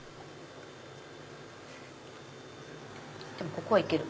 ここはいける！